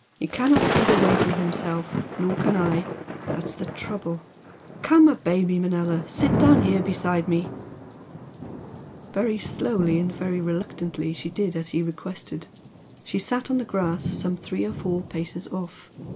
He cannot get away from himself nor can I! That's the trouble! Come, obey me, Manella! Sit down here beside me!" Very slowly and very reluctantly she did as he requested. She sat on the grass some three or four paces off.